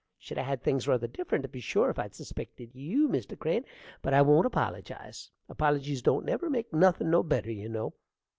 Should a had things ruther different, to be sure, if I'd suspected you, Mr. Crane; but I won't appolligize, appolligies don't never make nothin' no better, you know.